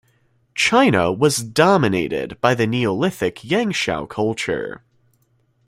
China was dominated by the Neolithic Yangshao culture.